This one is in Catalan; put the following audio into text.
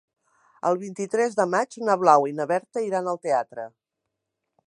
El vint-i-tres de maig na Blau i na Berta iran al teatre.